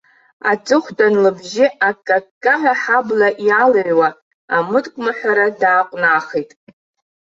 Аҵыхәтәан лыбжьы акка-ккаҳәа аҳабла иалыҩуа, амыткәма ҳәара дааҟәнахит.